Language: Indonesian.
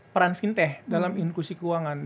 peran fintech dalam inklusi keuangan